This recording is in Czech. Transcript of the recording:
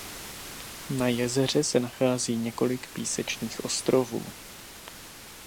Na jezeře se nachází několik písečných ostrovů.